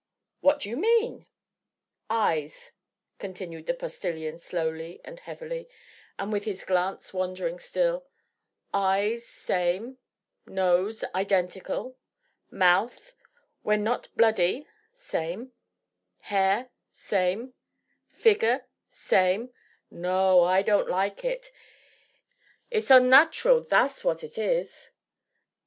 "What do you mean?" "Eyes," continued the Postilion slowly and heavily, and with his glance wandering still "eyes, same nose, identical mouth, when not bloody, same hair, same figure, same no, I don't like it it's onnat'ral! tha' 's what it is."